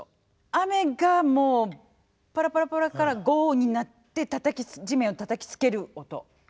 雨がもうパラパラパラから豪雨になって地面をたたきつける音。